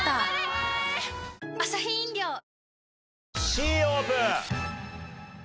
Ｃオープン！